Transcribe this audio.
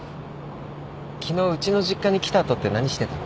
昨日うちの実家に来た後って何してた？